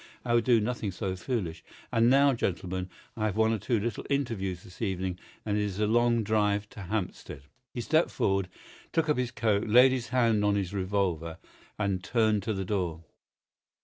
I would do nothing so foolish. And now, gentlemen, I have one or two little interviews this evening, and it is a long drive to Hampstead." He stepped forward, took up his coat, laid his hand on his revolver, and turned to the door.